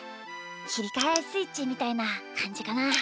きりかえスイッチみたいなかんじかな。